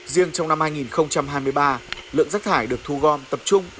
riêng trong năm hai nghìn hai mươi ba lượng rác thải được thu gom tập trung